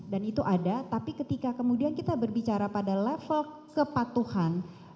itu ada tapi ketika kemudian kita berbicara pada level kepatuhan